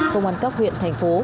công an cấp huyện thành phố